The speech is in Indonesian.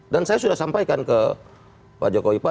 dan saya sudah sampaikan ke pak joko ipa